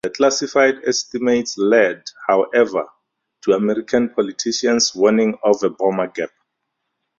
The classified estimates led, however, to American politicians warning of a "bomber gap".